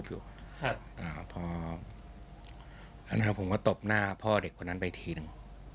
ผมก็ตบหน้าพ่อเด็กคนนั้นไปทีหนึ่ง